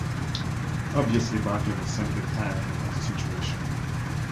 Obviously Barkley was simply tiring of the situation.